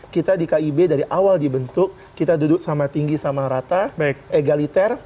kita di kib dari awal dibentuk kita duduk sama tinggi sama rata egaliter